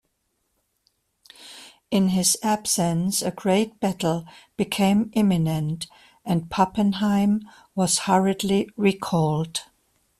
In his absence a great battle became imminent, and Pappenheim was hurriedly recalled.